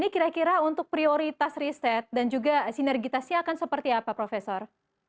kira kira untuk prioritas riset dan juga sinergitasnya akan seperti apa profesor